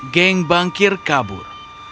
geng bangkir kabur